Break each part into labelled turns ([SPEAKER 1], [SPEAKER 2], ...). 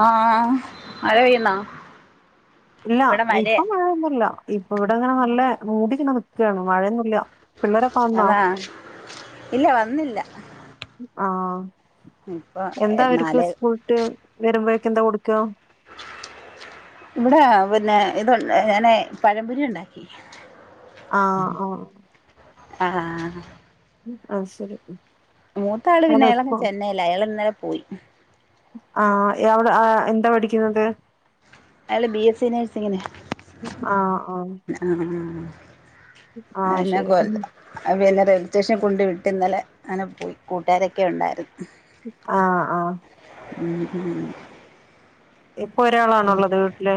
[SPEAKER 1] ആഹ് മഴപെയ്യുന്നോ
[SPEAKER 2] ഇല്ല ഇപ്പൊ മഴൊന്നുംല്ല ഇപ്പൊ ഇവിടെങ്ങനെ നല്ല മൂടിങ്ങനെ നിക്കാണ് മഴയൊന്നൂല്ല
[SPEAKER 1] അതാ ഇല്ല വന്നില്ല
[SPEAKER 2] ആഹ്.
[SPEAKER 1] ഇപ്പൊ
[SPEAKER 2] എന്താ അവര്ക്ക്
[SPEAKER 1] എന്നാല്
[SPEAKER 2] സ്കൂൾ ഇട്ട് വരുമ്പൊഴ് ക്കെന്താ കൊടുക്കാ
[SPEAKER 1] ഇവിടെ പിന്നെ ഇത്ണ്ട് ഞാനെ പഴമ്പൊരി ഉണ്ടാക്കി
[SPEAKER 2] ആഹ് ആഹ്
[SPEAKER 1] ആഹ്
[SPEAKER 2] ആ ശരി
[SPEAKER 1] മൂത്താള്
[SPEAKER 2] അല്ല
[SPEAKER 1] പിന്നെ അയാളങ്
[SPEAKER 2] സ്കൂ
[SPEAKER 1] ചെന്നൈ ലാ അയാള് ഇന്നലെ പോയി
[SPEAKER 2] ആഹ് അവിടെ എന്താ പഠിക്കുന്നത്
[SPEAKER 1] അയാള് ബി എസ് സി നഴ്സിങ്ങിന്
[SPEAKER 2] ആഹ് ആഹ്
[SPEAKER 1] ആഹ്
[SPEAKER 2] ആഹ്
[SPEAKER 1] എന്നെ
[SPEAKER 2] ശരി.
[SPEAKER 1] കൊ അ പിന്നെ റെയിൽ സ്റ്റേഷൻ കൊണ്ട് വിട്ട് ഇന്നലെ അങ്ങനെ പോയി കൂട്ടുകാരൊക്കെ ഉണ്ടായിരുന്നു
[SPEAKER 2] ആഹ് ആഹ്
[SPEAKER 1] ഉം ഉം
[SPEAKER 2] ഇപ്പൊ ഒരാളാണോ ഉള്ളത് വീട്ടില്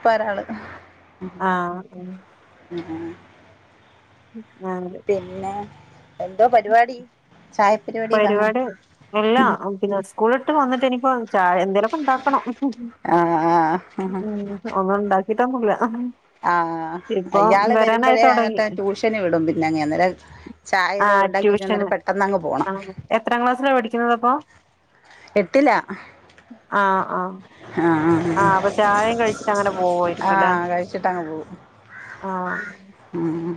[SPEAKER 1] പ്പോ ഒരാൾ അ
[SPEAKER 2] ആഹ് ആഹ്.
[SPEAKER 1] ആ
[SPEAKER 2] ആ [unintelligible]
[SPEAKER 1] പിന്നെ എന്തോ പരിപാടി ചായ
[SPEAKER 2] പരിപാടി ഇല്ലാ പിന്നെ സ്കൂള് ഇട്ട് വന്നിട്ട് ഇനിപ്പോ ചായ എന്തേലൊക്കെ ഉണ്ടാക്കണം
[SPEAKER 1] ആഹ് ആഹ്
[SPEAKER 2] ഒന്നുംണ്ടാക്കി ക്കിട്ടൊന്നൂല
[SPEAKER 1] ആഹ് അയാള് വരുമ്പഴേ
[SPEAKER 2] തൊടങ്ങി.
[SPEAKER 1] ത്ത ട്യൂഷന് വിടും പിന്നങ്ങേ അന്നേരം
[SPEAKER 2] ആഹ്
[SPEAKER 1] ചായതുണ്ടാക്കി
[SPEAKER 2] ട്യൂഷന്
[SPEAKER 1] വച്ചന്നേരം പെട്ടെന്നങ്ങ് പോണം.
[SPEAKER 2] ആഹ് എത്രാം ക്ലാസ്സിലാ പഠിക്കുന്നതപ്പോ
[SPEAKER 1] എട്ടിലാ ആ
[SPEAKER 2] ആ അപ്പ ചായേം കഴിച്ചിട്ടങ്ങനെ പോവുവായിരിക്കുലേ
[SPEAKER 1] ആഹ് കഴിച്ചിട്ടങ്ങ് പോകും
[SPEAKER 2] ആ
[SPEAKER 1] ആ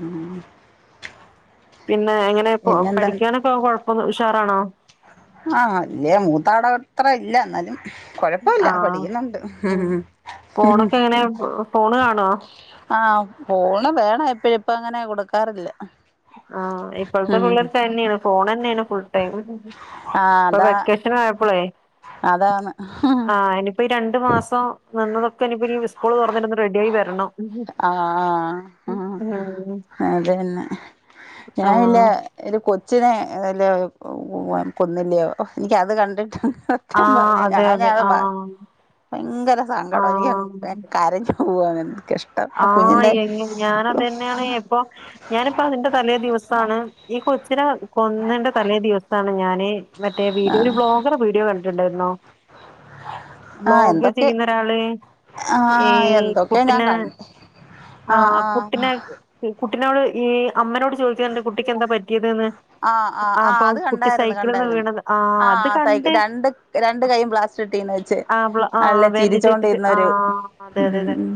[SPEAKER 2] പിന്നെ എങ്ങനെ കൊ
[SPEAKER 1] പിന്നെന്താ
[SPEAKER 2] പഠിക്കാനൊക്കെ കൊഴപ്പൊന്നു ഉഷാറാണോ
[SPEAKER 1] ആ ല്ല്യ മൂത്താടത്രല്ല ന്നാലും
[SPEAKER 2] ആ ഉം
[SPEAKER 1] ഉം
[SPEAKER 2] ഫോണൊക്കെങ്ങെനെ ഫോണ് കാണ് ആ
[SPEAKER 1] ആ ഫോണ് വേണം എപ്പയുംഇപ്പ അങ്ങനെ കൊട്ക്കാറില്ല
[SPEAKER 2] ആ ഇപ്പഴ്‌ത്തെ പിള്ളേർക്കയ്ന്നാണ് ഫോണെന്നെയാണ് ഫുൾടൈമ്
[SPEAKER 1] ആഹ്
[SPEAKER 2] ഇപ്പൊ
[SPEAKER 1] അതാ
[SPEAKER 2] വെക്കേഷെനായപ്പെളേ
[SPEAKER 1] അതാണ്
[SPEAKER 2] ആ നിപ്പ് രണ്ടു മാസം നിന്നതൊക്കെ നിപ്പ നി സ്കൂള് തുറന്നിട്ടൊന്ന് റെഡിയായി വരണം.
[SPEAKER 1] ആഹ് ആഹ് [unintelligible]
[SPEAKER 2] ആഹ്
[SPEAKER 1] ഒരു കൊച്ചിനെ [unintelligible] കൊന്നില്ല്യയോ എനിക്കത് കണ്ടിട്ടാ
[SPEAKER 2] ആ അതെയതെ ആ
[SPEAKER 1] ഭയങ്കര സങ്കട എനിക്ക കരഞ്ഞ് പോവാങ്ങനെ.
[SPEAKER 2] ആ എങ്ങെ ഞാനതന്നെയാണ് എപ്പൊ ഞാനിപ്പോ അതിന്റെ തലേ ദിവസാണ് ഈ കൊച്ചിനെ കൊന്നെന്റെ തലേ ദിവസാണ് ഞാന് മറ്റേ വീഡിയോല് ഒരു ബ്ലോഗറെ വീഡിയോ കണ്‌ [unintelligible]
[SPEAKER 1] ആ
[SPEAKER 2] ബ്ലോഗ്
[SPEAKER 1] എന്തൊക്കെ
[SPEAKER 2] ചെയ്യുന്ന ഒരാള്
[SPEAKER 1] ആ
[SPEAKER 2] ഈ
[SPEAKER 1] എന്തൊക്കെയോ ഞാൻ
[SPEAKER 2] കുട്ട്നെ
[SPEAKER 1] കണ്ട്
[SPEAKER 2] ആ കുട്ട്നെ കുട്ട്നോട് ഈ അമ്മനോട് ചോദിക്കണ്ട് കുട്ടിക്ക് എന്താ പറ്റിതിന്ന്
[SPEAKER 1] ആ ആ
[SPEAKER 2] അ
[SPEAKER 1] ആ
[SPEAKER 2] അപ്പം
[SPEAKER 1] അത്
[SPEAKER 2] കുട്ടി
[SPEAKER 1] കണ്ടായിരുന്നു
[SPEAKER 2] സൈക്കിളിന്ന്
[SPEAKER 1] കണ്ടായിരുന്നു
[SPEAKER 2] വീണത് ആ അത്
[SPEAKER 1] സൈ
[SPEAKER 2] കണ്ട്
[SPEAKER 1] രണ്ട് രണ്ട് കൈയും പ്ലാസ്റ്റർ ഇട്ടീന്ന് വെച്ച്
[SPEAKER 2] ആ ആ ആ
[SPEAKER 1] നല്ല
[SPEAKER 2] വേൻറ്റെജ് ഇട്ടിട്ട് ആ
[SPEAKER 1] ചിരിച്ചോണ്ടിരുന്നൊരു ഉം
[SPEAKER 2] അതേതെ.
[SPEAKER 1] ഉം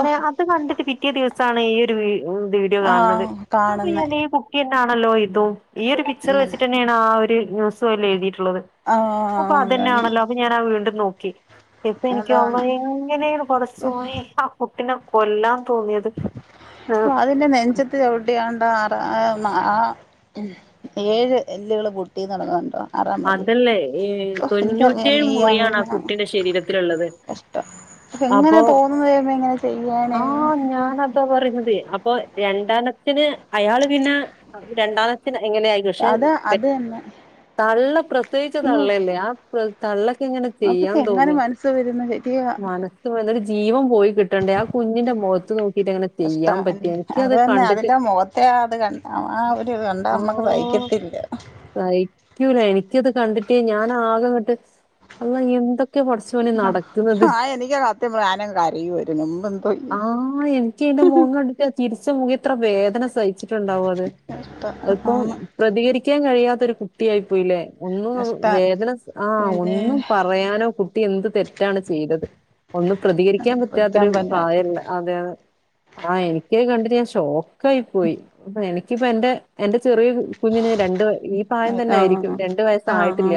[SPEAKER 1] ഓ
[SPEAKER 2] അത് കണ്ടിട്ട് പിറ്റ്യേ ദിവസ് [unintelligible] ഈ ഒരു വീ മ് വീഡിയോ
[SPEAKER 1] ആ
[SPEAKER 2] കാണുന്നത് [unintelligible]
[SPEAKER 1] കാണുന്നെ
[SPEAKER 2] [unintelligible] ഇതും. ഈയൊരു പിക്ചർ
[SPEAKER 1] അങ്ങനെ
[SPEAKER 2] വെച്ചിട്ടന്നെയാണ് ആ ഒര് ന്യൂസോലെ എഴിതിട്ട്
[SPEAKER 1] ആ
[SPEAKER 2] അപ്പൊ
[SPEAKER 1] അതന്നെ
[SPEAKER 2] അതന്നെയാണല്ലോ അപ്പൊ ഞാനാ വീണ്ടും നോക്കി ഇപ്പ എനിക്കോന്നു
[SPEAKER 1] അതാണ്
[SPEAKER 2] എങ്ങെനേണ്‌ [unintelligible] പിന്നെ കൊല്ലാം
[SPEAKER 1] അതിന്റെ നെഞ്ചത്ത് ചവിട്ടിയാണ് ആ ആ ഏഴ് എല്ലുകള് പൊട്ടി നടങ്ങുന്നുണ്ടോ ആറാ മതി
[SPEAKER 2] അതല്ലേ ഈ
[SPEAKER 1] ഒ എനിക്കറിയാം
[SPEAKER 2] തൊണ്ണൂറ്റേഴ് മുറിയാണ് ആ
[SPEAKER 1] എങ്ങനെ
[SPEAKER 2] കുട്ടിന്റെ ശരീരത്തിലുള്ളത്
[SPEAKER 1] കഷ്ടം എങ്ങനെ
[SPEAKER 2] അപ്പൊ
[SPEAKER 1] തോന്നുന്നത് ദൈവമേ ഇങ്ങനെ ചെയ്യാന്
[SPEAKER 2] ഇപ്പൊ പറയുന്നതെ അപ്പൊ രണ്ടനച്ചന് അയാള് പിന്നെ രണ്ടാന എങ്ങനെയായി കക്ഷേ
[SPEAKER 1] അത് അത്
[SPEAKER 2] പെട്ട്
[SPEAKER 1] തന്നെ
[SPEAKER 2] തള്ള പ്രസവിച്ച തള്ളല്ലേ ആ തള്ള
[SPEAKER 1] അതൊക്ക എങ്ങനെ മനസ്സ് വരുന്ന ശെരിയ
[SPEAKER 2] ജീവം പോയി കിട്ടണ്ടേ ആ കുഞ്ഞിന്റെ മുഖത്ത് നോക്കിട്ട് അങ്ങനെ
[SPEAKER 1] കഷ്ടാ
[SPEAKER 2] ചെയെയ്യാൻ പറ്റി
[SPEAKER 1] അത്
[SPEAKER 2] എനിക്ക്അത്
[SPEAKER 1] തന്നെ
[SPEAKER 2] കണ്ടിട്ട്
[SPEAKER 1] അതിന്റെ മുഖത്തെ അത് കണ്ട ആ ഒരു കണ്ടാ
[SPEAKER 2] ആ
[SPEAKER 1] നമ്മക്ക് സഹിക്കത്തില്ല
[SPEAKER 2] അറിയുല എനിക്കത് കണ്ടിട്ടേ ഞാനൻ ആകെങ്ങോട്ട് അല്ല എന്തൊക്കെ പടച്ചോനെ നടക്കുന്നത്
[SPEAKER 1] ആ എനിക്കാ സത്യം പറഞ്ഞാ ഞാനങ്ങ് കരയുവായിരുന്നു മുമ്പെന്തോ
[SPEAKER 2] ആ എനിക്ക്തിന്റെ മോൻ കണ്ടിട്ട് തിരിച്ച മുങ്ങി ഇത്ര വേദന സഹിച്ചിട്ടുണ്ടാവും അത്
[SPEAKER 1] കഷ്ടം
[SPEAKER 2] അതിപ്പോ
[SPEAKER 1] ആണ്
[SPEAKER 2] പ്രതികരിക്കാൻ കഴിയാത്ത ഒരു കുട്ടിയായി പോയില്ലേ ഒന്നും അങ്ങ്
[SPEAKER 1] കഷ്ടാ
[SPEAKER 2] വേദന ആ
[SPEAKER 1] പിന്നെ
[SPEAKER 2] ഒന്നും പറയാനോ കുട്ടി എന്ത് തെറ്റാണ് ചെയ്തത് ഒന്നും പ്രതികരിക്കാൻ
[SPEAKER 1] പൊരിക്കാൻ
[SPEAKER 2] പറ്റാത്തൊരു
[SPEAKER 1] തന്നെ അറിയാം
[SPEAKER 2] പ്രായല്ലേ അതെ ആ എനിക്ക് കണ്ടിട്ട് ഞാൻ ച്ചോ കയി പോയി അ എനി പ്പ എന്റെ എന്റെ ചെറിയ കു കുഞ്ഞിന് രണ്ട് വ ഈ സഹായം തന്നെ ആയിരിക്കും
[SPEAKER 1] ആഹ്
[SPEAKER 2] രണ്ടു
[SPEAKER 1] ആഹ്
[SPEAKER 2] വയസ്സായിട്ടില്ല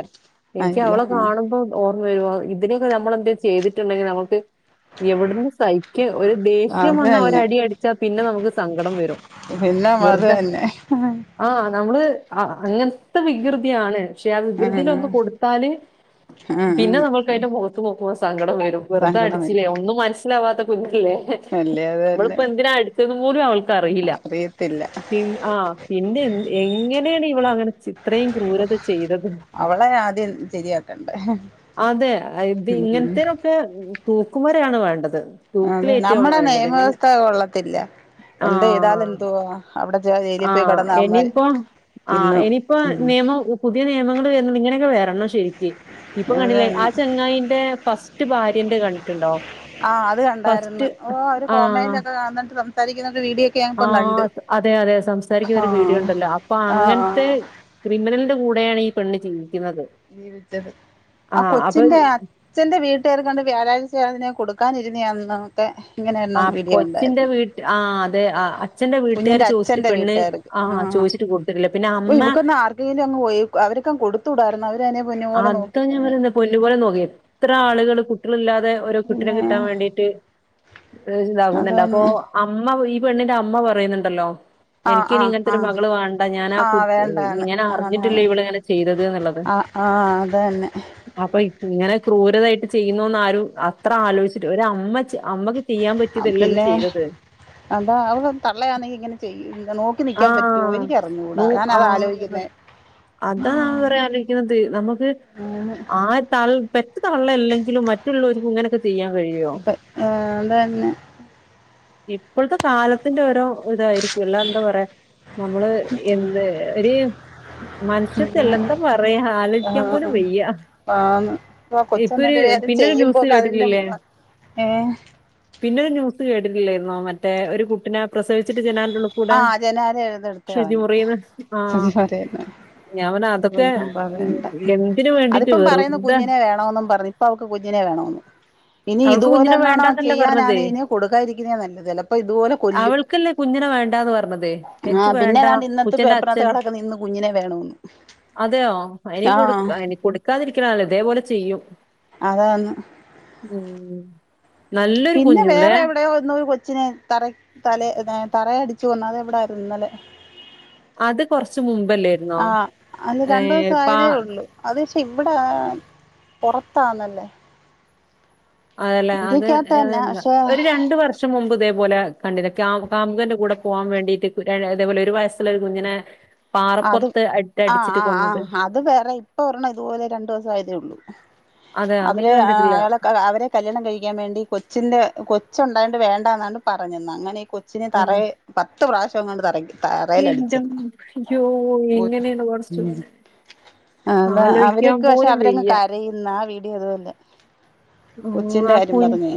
[SPEAKER 1] ആഹ്
[SPEAKER 2] എനിക്ക്
[SPEAKER 1] അല്ല
[SPEAKER 2] അവള കാണുമ്പോ ഓർമ്മ വരുവോ ഇതിനെയൊക്കെ നമ്മൾലെന്തെ ചെയ്തിട്ടുണ്ടെങ്കിൽ നമ്മുക്ക് എവിടുന്ന് സഹിക്യ ഒരു ദേഷ്യം
[SPEAKER 1] ആഹ് അത്
[SPEAKER 2] വന്നാ ഒര്
[SPEAKER 1] തന്നെ
[SPEAKER 2] അടിയടിച്ചാ പിന്നെ നമുക്ക് സങ്കടം വരും
[SPEAKER 1] പിന്നെ അത്
[SPEAKER 2] വെറുതെ
[SPEAKER 1] തന്നെ
[SPEAKER 2] ആ നമ്മള് ആ അങ്ങ ഇത്ത വികൃതിയാണ് പക്ഷെ ആ വികൃതിൽ
[SPEAKER 1] ആഹ്
[SPEAKER 2] ഒന്ന് കൊടുത്താല്
[SPEAKER 1] ആഹ്
[SPEAKER 2] പിന്നെ നമ്മൾക്കയിന്റെ മുഖത്ത് നോ [unintelligible] വരും വെർതെ
[SPEAKER 1] സങ്കടം വരും
[SPEAKER 2] അടിച്ചില്ലേ ഒന്നും മനസ്സി സ്സിലാവാത്ത കുഞ്ഞ്
[SPEAKER 1] അല്ലേ അത് തന്നെ
[SPEAKER 2] നമ്മളിപ്പോ എന്തിന അടി ഇത്കൂടി അവൾക്ക് അറീല്ല
[SPEAKER 1] അറിയത്തില്ല
[SPEAKER 2] പിൻ ആ പിന്നെ എ എങ്ങനെയാണ് ഇവള് അങ്ങനെ ച്ചി അത്രയും ക്രൂരത ചെയ്തത്
[SPEAKER 1] അവളെ ആദ്യം ശരിയാക്കണ്ടേ
[SPEAKER 2] അതെ ഇത് ഇങ്ങനത്തേനൊക്കെ തൂക്കുമരാണ് വേണ്ടത്
[SPEAKER 1] അതെ
[SPEAKER 2] തൂക്കിലേറ്റുവാണ്
[SPEAKER 1] നമ്മുടെ
[SPEAKER 2] വേണ്ടത്. ഇങ്ങനെ
[SPEAKER 1] നിയമവ്യവസ്ഥ കൊള്ളത്തില്ല എന്ത്
[SPEAKER 2] ആ
[SPEAKER 1] ചെയ്താലെന്തുവാ അവിടെ ജലിപോയി
[SPEAKER 2] ആഹ്
[SPEAKER 1] കിടന്നാമതി തിന്ന്
[SPEAKER 2] ഇപ്പ നിയമം പുതിയ നിയമങ്ങള് വരുന്നുണ്ടെങ്കി ങ്ങനൊക്കെ വരണം ശെരി റ്റ് ഇപ്പൊ
[SPEAKER 1] അത്
[SPEAKER 2] കണ്ടില്ലേ ആ
[SPEAKER 1] തന്നെ
[SPEAKER 2] ചെങ്ങായിന്റെ ഫസ് റ്റ് ഭാര്യന്റെ കണ്
[SPEAKER 1] ആഹ് അത് കണ്ടാര്ന്ന് ഓ അവര്
[SPEAKER 2] ആഹ്
[SPEAKER 1] കോമയിലൊക്കെ കാണന്നിട്ട് സം സാരിക്കണം
[SPEAKER 2] ആഹ് അതെ അതെ സംസാരിക്കുന്ന ഒരു വീഡിയോ
[SPEAKER 1] ആഹ്
[SPEAKER 2] ഉണ്ടല്ലോ അപ്പൊ അങ്ങനത്തെ
[SPEAKER 1] ആഹ്
[SPEAKER 2] ക്രിമിനലിന്റെ കൂട് വേണേ ഈ പെണ്ണ് ചിമ്മി
[SPEAKER 1] [unintelligible] ആ
[SPEAKER 2] അപ്പൊ
[SPEAKER 1] കൊച്ചിന്റെ അച്ഛന്റെ വീട്ട്കാരെകണ്ട് വ്യാഴാഴ്ച അതിന് കൊടുക്കാനിരുന്നയാ ഒന്നാമ ത്തേ
[SPEAKER 2] ആ കൊച്ചിന്റവീട്ട് ആ അതെ ആ അച്ഛന്റവീട്ടുകാര്
[SPEAKER 1] കുഞ്ഞിന്റെ
[SPEAKER 2] ചോദിച്ചിട്ട്
[SPEAKER 1] അച്ഛന്റെ
[SPEAKER 2] പെണ്ണ്
[SPEAKER 1] വീട്ടുകാർക്ക്
[SPEAKER 2] ആ
[SPEAKER 1] ആഹ്
[SPEAKER 2] ചോദിച്ചിട്ട് കൊടുത്തിട്ടില്ല പിന്നെ
[SPEAKER 1] ഓ
[SPEAKER 2] അമ്മ
[SPEAKER 1] ഇവക്കൊന്ന് ആർക്കെങ്കിലും അങ്ങ് പോയി അവരൊക്കെ കൊടുത്തൂടായിരുന്നോ അവര് അതിനെ പൊന്നു പോലെ
[SPEAKER 2] അതാ ഞാൻ
[SPEAKER 1] നോക്കിയിരുന്നേനെ
[SPEAKER 2] പറയുന്ന പൊന്നുപലെ നോക്കിയേനെ ത്ര കുട്ടികള് കുട്ടികളില്ലാത് തെ ഓരോ കുട്ടിനെ
[SPEAKER 1] പിന്നെ
[SPEAKER 2] കിട്ടാൻ വേണ്ടീട്ട് ദേശം
[SPEAKER 1] അത്
[SPEAKER 2] ഇതാകുന്നുണ്ട് അപ്പൊ
[SPEAKER 1] തന്നെ
[SPEAKER 2] അമ്മ ഈ പെണ്ണിന്റെ അമ്മ പറയുന്നുണ്ടല്ലോ
[SPEAKER 1] ആഹ്
[SPEAKER 2] എനിക്കിനി
[SPEAKER 1] ആഹ്
[SPEAKER 2] ഇങ്ങനത്തെ ഒരു
[SPEAKER 1] ആഹ്
[SPEAKER 2] മകള് വേണ്ട ഞാൻ ആ
[SPEAKER 1] ആഹ്
[SPEAKER 2] കുട്ട്
[SPEAKER 1] വേണ്ടാന്ന്
[SPEAKER 2] ഞാൻ
[SPEAKER 1] അതാണ്
[SPEAKER 2] അറിഞ്ഞിട്ടില്ല ഇവള് ഇങ്ങനെ ചെയ്തത് എന്ന്ള്ളത്
[SPEAKER 1] ആഹ് ആഹ് അത് തന്നെ
[SPEAKER 2] അപ്പൊ ഇപ് ഇങ്ങനെ ക്രൂരതായിട്ട് ചെയ്യുന്നുന്ന് ആരും അത്ര ആലോചിച്ചിട്ട് ഒരമ്മ ചെയ് അമ്മക്ക് ചെയ്യാൻ
[SPEAKER 1] ആ
[SPEAKER 2] പറ്റിയതല്ലല്ലോ
[SPEAKER 1] പിന്നെ
[SPEAKER 2] ചെയ്തത്
[SPEAKER 1] എന്താ അവള് തള്ളയാണെങ്കി ഇങ്ങനെ ചെയ്യ് നോക്
[SPEAKER 2] ആ നൂ ആ
[SPEAKER 1] ആലോചിക്കുന്നേ
[SPEAKER 2] അതാ അവര് ആലോചിക്കണത് നമുക്ക്
[SPEAKER 1] ആന്ന്
[SPEAKER 2] ആ തള് പെറ്റ തള്ള ല്ലെങ്കിലും മറ്റുള്ളോരുക് ങ്ങനക്ക്
[SPEAKER 1] ഇപ്പ ഏ അതന്നെ
[SPEAKER 2] ഇപ്പോഴത്തെ കാലത്തിന്റെ ഓരോ ഇതായിരിക്കും അല് ന്ത പറയാ നമ്മള് എന്ത് ഒര് മനുഷ്യത്തില്ല എന്താ പറയാ
[SPEAKER 1] ആ
[SPEAKER 2] ആലോചിക്കാൻ പോലും വയ്യ
[SPEAKER 1] ആന്ന് ഇപ്പ
[SPEAKER 2] ഇപ്പൊരു
[SPEAKER 1] കൊച്ചന്നിട്ട് വേറെ
[SPEAKER 2] പിന്നൊരു ന്യൂസ്
[SPEAKER 1] ചെയ്യുമ്പോക്കെ അതിന്റെ
[SPEAKER 2] കേട്ടില്ലല്ലേ
[SPEAKER 1] ഏ
[SPEAKER 2] പിന്നൊരു ന്യൂസ് കേട് ട്ടില്ലേലെരുന്നോ മറ്റേ ഒരു കുട്ടിനെ പ്രസവിച്ചിട്ട് ജനാലെന്റു ള്ളി
[SPEAKER 1] ആ ജനാല എഴുത് എടുത്ത് കളഞ്ഞത് ആ ഒന്നും പറയണ്ട
[SPEAKER 2] ഞാൻ പറഞ്ഞ
[SPEAKER 1] യ്യോ
[SPEAKER 2] അതൊക്കെ
[SPEAKER 1] ഒന്നും
[SPEAKER 2] ഉം,
[SPEAKER 1] പറയണ്ട
[SPEAKER 2] എന്തിനു വേണ്ടിട്ട്
[SPEAKER 1] അതിപ്പം പറയുന്നു
[SPEAKER 2] വെറുതെ
[SPEAKER 1] കുഞ്ഞിനെ വേണോന്നും പറഞ് ഇപ്പ അവക്ക് കുഞ്ഞിനെ വേണോന്ന് ഇനി
[SPEAKER 2] അവൾക്ക്
[SPEAKER 1] ഇതുപോലെ
[SPEAKER 2] കുഞ്ഞിനെ
[SPEAKER 1] എങ്ങാണോ
[SPEAKER 2] വേണ്ടാന്നല്ലേ പറഞ്ഞത്
[SPEAKER 1] ചെയ്യാനാണെ ഇയ്നെ കൊടുക്കാതിരിക്കുന്നെ നല്ലത് ചെലപ്പോ ഇതുപോലെ കൊല്ലും
[SPEAKER 2] പറഞ്ഞതെ എനിക്ക്
[SPEAKER 1] ആഹ് പിന്നെ
[SPEAKER 2] വേണ്ട
[SPEAKER 1] ഏതാണ്ട് ഇന്നത്തെ
[SPEAKER 2] കുച്ചെന്റെ
[SPEAKER 1] പേപ്പറിനകത്ത്
[SPEAKER 2] അച്ഛൻ
[SPEAKER 1] കിടക്കുന്ന ഇന്ന് കുഞ്ഞിനെ വേണോന്ന്
[SPEAKER 2] അതെയോ അയെനി
[SPEAKER 1] ആഹ്
[SPEAKER 2] കൊടുക് ഇനി കൊടുക്കാതിരിക്കലാല്ലത് ഇതേപോലെ ചെയ്യും
[SPEAKER 1] അതെ ഒന്ന്
[SPEAKER 2] ഉം നല്ലൊരു
[SPEAKER 1] പിന്നെ
[SPEAKER 2] കുഞ്ഞുല്ലേ
[SPEAKER 1] വേറെ എവിടെയോ ഒന്ന് ഒരു കൊ ച്ചിനെ തറ തല തറയടിച്ചു കൊന്നാ അത എവിടായിരുന്നലെ
[SPEAKER 2] അത് കൊറച്ച് മുമ്പല്ലേരുന്നോ
[SPEAKER 1] ആഹ് അല്ല
[SPEAKER 2] ഏ
[SPEAKER 1] രണ്ടു ദിവസം
[SPEAKER 2] പാ
[SPEAKER 1] ആയതേ ഉള്ളൂ അത് പക്ഷെ ഇവിടെ പുറത്താന്നല്ലേ
[SPEAKER 2] അതല്ലെ അത്
[SPEAKER 1] തന്നെ പക്ഷെ
[SPEAKER 2] [unintelligible] ഒരു രണ്ടു വർഷം മുമ്പ്ദേ അപോലെ കണ്ടില്ല കാമുകന്റെ കൂടെ പോകാൻ വേണ്ടിട്ട് ഇതേപോലെ ഒരു വയസ്സുള്ള ഒരു കുഞ്ഞിനെ
[SPEAKER 1] അത്
[SPEAKER 2] പാറപ്പുറത്ത് ഇട്ട്
[SPEAKER 1] ആ
[SPEAKER 2] അടിച്ചിട്ട്
[SPEAKER 1] ആ്
[SPEAKER 2] കൊന്നത്.
[SPEAKER 1] ആഹ് അത് വേറെ ഇപ്പ ഒരെണം ഇതുപോലെ രണ്ടു ദിവസം ആയ തെ ഉള്ളൂ
[SPEAKER 2] അതെ അത്
[SPEAKER 1] അവര്
[SPEAKER 2] ഞാൻ കണ്ടിട്ടില്ല.
[SPEAKER 1] അയാളെ അവരെ കല്യാണം കഴിക്കാൻ വേണ്ടി കൊച്ചിന്റെ കൊച്ചുണ്ടായണ്ട് വേണ്ട എന്നാണ് പറഞ്ഞന്നത് അങ്ങനെ കൊ ച്ചിന്
[SPEAKER 2] ആ.
[SPEAKER 1] തറയെ പത്ത് പ്രാവശ്യം അങ്ങണ്ട്റങ്ങി തറൽ
[SPEAKER 2] എന്റെ
[SPEAKER 1] അടിച്ചന്ന്
[SPEAKER 2] അമ്മ. അയ്യോ! എങ്ങനെയാണ് പടച്ചോനെ
[SPEAKER 1] അ
[SPEAKER 2] ആലോചിക്കാൻ
[SPEAKER 1] അവരൊക്കെ പക്ഷെ
[SPEAKER 2] പോലും
[SPEAKER 1] അവരങ്ങ്
[SPEAKER 2] വയ്യ.
[SPEAKER 1] കരയുന്ന ആ വീടിയോ അതുപോലെ [inaudible]
[SPEAKER 2] ആ
[SPEAKER 1] കൊച്ചിന്റെ
[SPEAKER 2] ആ കു
[SPEAKER 1] കാര്യം പറഞ്ഞേ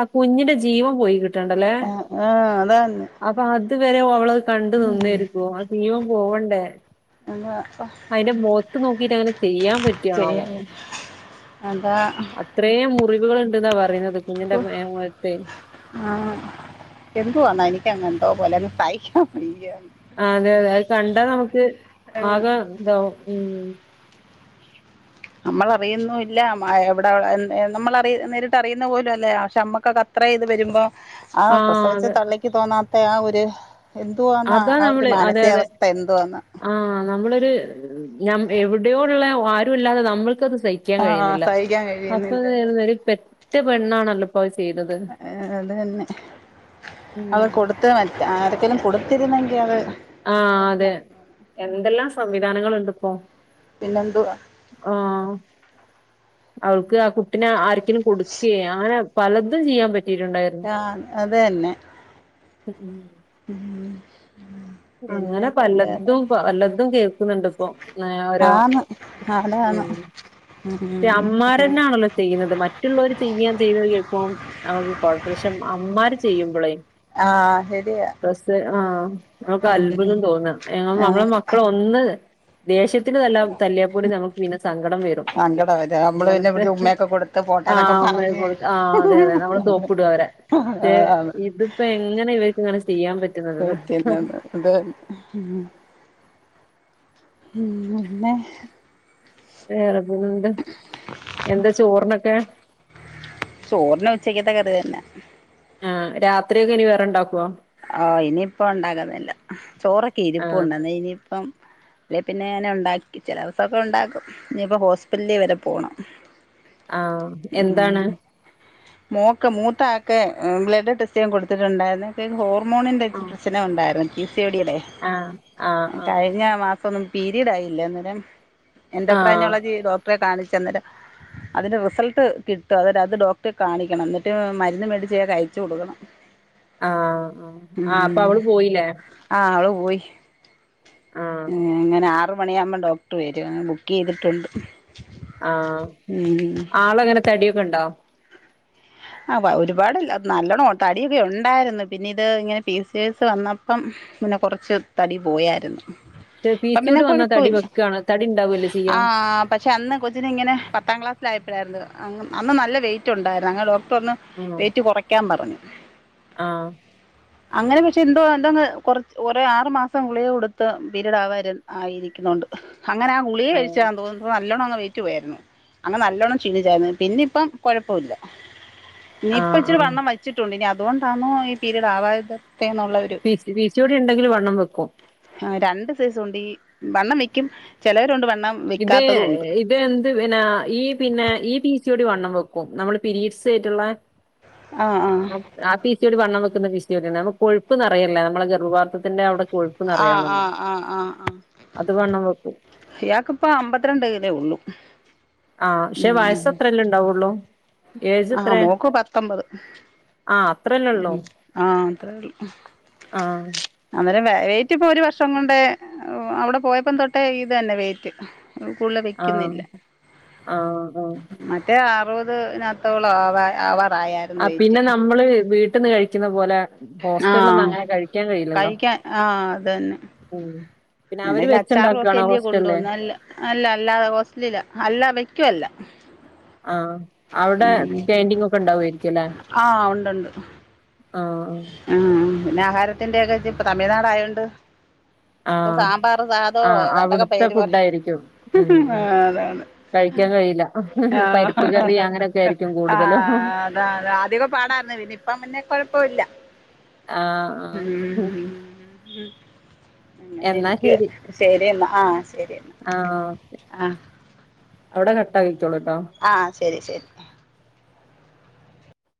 [SPEAKER 2] ആ കുഞ്ഞിന്റെ ജീവം പോയി കിട്ടണ്ടല്ലേ
[SPEAKER 1] ആഹ് ആഹ് അതാന്ന്
[SPEAKER 2] അപ്പൊ അതുവരെ അവള് കണ്ടു നിന്നിരിക്കുവ ജീവം പോവണ്ടേ
[SPEAKER 1] എന്താ
[SPEAKER 2] അതിന്റെ മുഖത്ത് നോക്കിട്ട് അങ്ങനെ ചെയ്യാൻ പറ്റിയാവോ
[SPEAKER 1] ചെയ്യാൻ അതാ
[SPEAKER 2] അത്രേ മുറിവുകളുണ്ട് ന്നാ പറ റിന്നത്
[SPEAKER 1] ഒ ആ എന്തുവാന്നാ എനിക്കങ്ങെ പോലെ പൈക്ക
[SPEAKER 2] ആ അതെ അതെ അത് കണ്ടാ നമുക്ക് ആഗ താവും ഉം
[SPEAKER 1] നമ്മൾ അറിയുന്നുല്ല എവിടെ നമ്മൾ നേരിട്ട് അറിയുന്ന പോലും അല്ലേ പക്ഷെ അമ്മക്കൊക്കെ അത്ര ഇ്ത് വരുമ്പോ ആ പ്രസവിച്ച തള്ളയ്ക്ക് തോന്നാത്ത ആ ഒരു [unintelligible]
[SPEAKER 2] അതാ
[SPEAKER 1] ആ ഒരു
[SPEAKER 2] നമ്മള് അതെ അതെ
[SPEAKER 1] മാനസികാവസ്ഥ എന്തുവാന്ന്
[SPEAKER 2] ആ നമ്മളൊരു ഞ എവിടെയോള്ള ആരുല്ലാതെ നമ്മൾ
[SPEAKER 1] ആഹ സഹിക്കാൻ കഴിയുന്നില്ലത്
[SPEAKER 2] ഇതായിരുന്നു, ഒരു പെറ്റ പെണ്ണാണല്ലോ ഇപ്പൊ അത് ചെയ്തത്.
[SPEAKER 1] അത് തന്നെ അവടെ
[SPEAKER 2] ഉം.
[SPEAKER 1] കൊടുത്ത് മറ്റ ആർക്കങ്കിലും കൊടുത്ത് തിരുനെങ്കിയത്
[SPEAKER 2] ആഹ അതെ എന്തെല്ലാം സമയം ഗാനങ്ങളൾണ്ട് ഇപ്പോ.
[SPEAKER 1] പിന്നെന്തു വാ.
[SPEAKER 2] അവൾക്ക് ആ കുട്ടിന ആരിക്കലും കൊടുക്കയ അങ്ങനെ പലതും ചെയ്യാപ
[SPEAKER 1] ആഹ അത് തന്നെ ഉ
[SPEAKER 2] അങ്ങന പലതും പലതും കേ ക്കുന്നുണ്ടപ്പോ. ഓരോ
[SPEAKER 1] ആന്ന്
[SPEAKER 2] ഉ
[SPEAKER 1] അതാണ് ഉം
[SPEAKER 2] അമ്മാര്
[SPEAKER 1] ഉം
[SPEAKER 2] തന്നെയാണല്ലോ ചെയ്യുന്നത്. മറ്റുള്ളവർ ചെയാൻ ചെയ്തു [unintelligible] അ ഒന്നും കൊഴപ്പല്ല അമ്മാർ ചെയ്യുമ്പളെ.
[SPEAKER 1] ആഹ ശരിയ.
[SPEAKER 2] ആഹ് നമുക്ക് അത്ഭുതം തോന്ന, നന്മടെ മക്കള് ഒന്ന് ദേഷ്യത്തിന് തല്ലാ തല്ലിയാൽ പോലും നമുക്ക് പിന്നെ സങ്കടം വരും.
[SPEAKER 1] സങ്കട വരാ നമ്മള് പിന്നെ
[SPEAKER 2] അങ്ങനത്തെ
[SPEAKER 1] ഇവിടെ ഉമ്മയൊക്കെ കൊടുത്ത്
[SPEAKER 2] ആ
[SPEAKER 1] പോട്ടേന്നൊക്കെ
[SPEAKER 2] അമ്മയെ
[SPEAKER 1] പറഞ്ഞ്
[SPEAKER 2] കൊടുക്കാൻ ആ അതെ അതെ നമ്മള് സോപ്പിടും അവരെ.
[SPEAKER 1] അതാണ്
[SPEAKER 2] ഇതിപ്പോ എങ്ങനെ ഇവ [unintelligible] ചെയ്യാൻ പറ്റുന്നതെന്ന്.
[SPEAKER 1] പറ്റുന്നത് അത് പിന്നെ
[SPEAKER 2] വേറെ പിന്നെന്ത് എന്താ ചോറിനൊക്കെ?
[SPEAKER 1] ചോറിന് ഉച്ചക്കത്തെ കറി തന്നെ.
[SPEAKER 2] ആഹ രാത്രിയൊക്കെ ഇനി വേറെണ്ട
[SPEAKER 1] ആഹ ഇനിയിപ്പ ഉണ്ടാകുന്നില്ല. ചോറൊക്കെ
[SPEAKER 2] ആഹ്
[SPEAKER 1] ഇരിപ്പുണ്ടെന്നെ ഇനിയിപ്പം. അല്ലെ പിന്നെങ്ങനെ ഉണ്ടാക്കി [unintelligible] അങ്ങനെ ഉണ്ടാക്കും. ഇനിയിപ്പോ ഹോസ്പിറ്റലിൽ വരെ പോണം.
[SPEAKER 2] ആഹ എന്താണ്?
[SPEAKER 1] മോക്ക് മൂത്ത ആക്ക് ബ്ലഡ് ടെസ്റ്റ് ചെയ്യാൻ കൊടുത്തിട്ടുണ്ടായിരുന്നു. [unintelligible] ഹോമോണിന്റെ
[SPEAKER 2] ആഹ്
[SPEAKER 1] പ്രശ്നം ഉണ്ടായിരുന്നു. സിയോടിടെ
[SPEAKER 2] ആഹ് ആഹ് ആഹ്
[SPEAKER 1] കഴിഞ്ഞ മാസ പീരിയഡ് ആയില്ല അന്നേരം.
[SPEAKER 2] ആഹ്
[SPEAKER 1] എന്റോക്രനോളജി ഡോക്ടറെ കാണിച്ചു. [unintelligible] അതിന്റെ റിസൾട്ട് കിട്ടും. അത് അത് ഡോക്ടറെ കാണിക്കണം. എന്നിട്ട് മരുന്ന് മേടിച്ച് അയച്ചു കൊടുക്കണം.
[SPEAKER 2] ആഹ് ആ അപ്പൊ
[SPEAKER 1] ഉം
[SPEAKER 2] അവള് പോയില്ലേ?
[SPEAKER 1] ആ അവൾ പോയി.
[SPEAKER 2] ആഹ്
[SPEAKER 1] ഏങ്ങനെ ആറു മണിയാകുമ്പം ഡോക്ടർ വരും. അങ്ങനെ ബുക്ക് ചെയ്തിട്ടുണ്ട്.
[SPEAKER 2] ആ
[SPEAKER 1] ഉം
[SPEAKER 2] ആളങ്ങനെ തടിയൊക്കെണ്ടോ
[SPEAKER 1] ആ ഒരുപാടല്ല നല്ലോണം ഒ തടിയൊക്കെ ഉണ്ടായിരുന്നു പിന്നെ ഇത് ഇങ്ങനെ പിസ്സ്സ്റ്റേസ് വന്നപ്പം പിന്നെ കൊറച്ച് തടി പോയായിരുന്നു
[SPEAKER 2] പക്ഷെ പി
[SPEAKER 1] പ്പം
[SPEAKER 2] സി
[SPEAKER 1] പിന്നെ
[SPEAKER 2] ഓടി വന്നാ തടി
[SPEAKER 1] കൊഴപ്പൊല്ല
[SPEAKER 2] വെക്കാണ് തടി ഉണ്ടാവല്ലേ
[SPEAKER 1] ആ
[SPEAKER 2] ചെയ്യാ
[SPEAKER 1] പക്ഷെ അന്ന് കൊച്ചിന് ഇങ്ങനെ പത്താം ക്ലാസ്സില് ആ പ്പഴായിരുന്നു അങ് അന്ന് നല്ല വെയിറ്റ് ഉണ്ടായിരു [unintelligible] ഒന്ന്
[SPEAKER 2] ആഹ്
[SPEAKER 1] വെയിറ്റ് കുറക്കാൻ പറഞ്ഞ്
[SPEAKER 2] ആഹ്
[SPEAKER 1] അങ്ങനെ പക്ഷെ എന്തോ ടങ് കൊ കൊറെ ആറു മാസം ഗുളിയ കൊടുത്ത് പീരീഡ് ആവാ ആയിരിക്കുന്നുണ്ട് അങ്ങനെ ആ ഗുളിയ കഴിച്ചാന്ന് തോന്നുന്നു നല്ലോണം അങ്ങ് വെയ്റ്റ് പോയായിരുന്നു അങ്ങ് നല്ലോണം ക്ഷീണിച്ചായിരുന്നു പിന്നെ ഇപ്പം കൊഴപ്പൊല്ല ഇനി ഇപ്പം
[SPEAKER 2] ആഹ്
[SPEAKER 1] ഇച്ചിരി
[SPEAKER 2] ആഹ്
[SPEAKER 1] വണ്ണം വച്ചിട്ടുണ്ട് ഇനി അതുകൊണ്ടാന്നോ ഈ പീരീഡ് ആവാതെ
[SPEAKER 2] P P C O D ഉണ്ടെങ്കില് വണ്ണം വെക്കും
[SPEAKER 1] ആ രണ്ട് സൈസ് ഉണ്ട് ഈ വണ്ണം വെക്കും ചിലവരണ്ട് വണ്
[SPEAKER 2] ഇത് എ ഇതെന്ത് പിന്നാ ഈ പിന്നാ ഈ പി സി ചൂടി വണ്ണം വെക്കും നമ്മള് പിരീഡ്സയിട്ടുള്ള
[SPEAKER 1] ആഹ്
[SPEAKER 2] ആ പി സി ഒ ഡി വണ്ണം വെക്കുന്ന പീസി [unintelligible] നമു കൊഴുപ്പ്‌ നെറയല്ല നമ്മളെ ഗർഭാപാത്രത്തിന്റെ അവിടെ കൊഴുപ്പ്
[SPEAKER 1] ആ
[SPEAKER 2] നിറയാണല്ലോ
[SPEAKER 1] ആഹ് ആഹ് ആഹ് ആ
[SPEAKER 2] അത് വണ്ണം വെക്കും
[SPEAKER 1] യാക്ക്‌ ഇപ്പൊ അമ്പത്തിരണ്ട് കിലോ ഉള്ളു
[SPEAKER 2] ആ പക്ഷെ വയസ്സ് അത്രല്ലേ ഉണ്ടാവുള്ളൂ ഏജ്
[SPEAKER 1] ആഹ്
[SPEAKER 2] എത്രേ
[SPEAKER 1] മോക്ക് പത്തൊമ്പത്
[SPEAKER 2] ആഹ് അത്രല്ലേ ഉള്ളൂ
[SPEAKER 1] ആ അത്രേയുള്ളൂ
[SPEAKER 2] ആഹ്
[SPEAKER 1] അന്നേരവേ വെയിറ്റ് ഇപ്പൊ ഒരു വർഷം കൊണ്ട് അവിടെ പോയപ്പോ തൊട്ടേ ഇത് തന്നെ വെയിറ്റ് കുള്ള്
[SPEAKER 2] ആഹ്
[SPEAKER 1] വെക്കുന്നില്ല
[SPEAKER 2] ആഹ് ആഹ്
[SPEAKER 1] മറ്റേആ അപ്പോത് ഞ തോള ആവാൻ ആവാ
[SPEAKER 2] ആ
[SPEAKER 1] ആവാറായായിരുന്നു വെയിറ്റ്
[SPEAKER 2] പിന്നെ നമ്മള് വീ ട്ട്ന്ന് കഴിക്ക്ന്ന പോലെ
[SPEAKER 1] ആ
[SPEAKER 2] ഹോസ്റ്റൽലൊന്നും അങ്ങനെ കഴിക്കാൻ കഴിയില്ലല്ലോ
[SPEAKER 1] കഴിക്കാൻ
[SPEAKER 2] ഉം പിന്നെ അവര്
[SPEAKER 1] എന്തേലും അച്ചാറും ഒക്കെ
[SPEAKER 2] വെച്ചുണ്ടാക്കാണോ
[SPEAKER 1] അല്ല്യേ കൊണ്ട്
[SPEAKER 2] ഹോസ്റ്റലില്
[SPEAKER 1] പോന്നേ അല്ല അല്ലാ അല്ലാതെ ഹോസ്റ്റലിലാ അല്ലാ വെക്കുവ ല്ല
[SPEAKER 2] ആ അവിടെ കാന്റീങ് ഒക്കെ ഉണ്ടായിരിക്കും അല്ലെ
[SPEAKER 1] ഉണ്ടുണ്ട് ആ.. ആ.. പിന്നെ ആഹാരത്തിന്റെ ഓക്കെ ഇത്തിരി തമിഴ്നാട് ആയതു കൊണ്ട് ഇപ്പോ
[SPEAKER 2] ആഹ്
[SPEAKER 1] സാമ്പാർ സാധോ
[SPEAKER 2] ആഹ്
[SPEAKER 1] ഏതാണ്ടൊക്കെ
[SPEAKER 2] അവിടുത്തെ
[SPEAKER 1] പേര്
[SPEAKER 2] ഫുഡ്
[SPEAKER 1] പറയുന്നു
[SPEAKER 2] ആയിരിക്കും ഉം
[SPEAKER 1] ഹി
[SPEAKER 2] ഉം
[SPEAKER 1] ഹി അതാണ്
[SPEAKER 2] കഴിക്കാൻ കഴിയില്ല
[SPEAKER 1] ആ
[SPEAKER 2] പരിപ്പ് കറി അങ്ങനെയൊക്കെ ആയിരിക്കും
[SPEAKER 1] ആ [unintelligible]
[SPEAKER 2] കൂടുതലും
[SPEAKER 1] അതാ ആദ്യൊക്കെ പാടാരുന്നു പിന്നിപ്പം പിന്നെ ഇപ്പോൾ ഇല്ല
[SPEAKER 2] ആ ആ ഉം
[SPEAKER 1] ഉം ഇങ്ങനെ ഇരിക്കാണ് ശരി എന്നാൽ ന്ന ആ ശരി എന്ന
[SPEAKER 2] ആഹ്
[SPEAKER 1] ആ
[SPEAKER 2] അവിടെ കട്ട ആക്കി
[SPEAKER 1] ആ ശരി ശരി